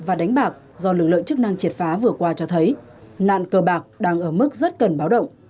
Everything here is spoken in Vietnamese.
và đánh bạc do lực lượng chức năng triệt phá vừa qua cho thấy nạn cờ bạc đang ở mức rất cần báo động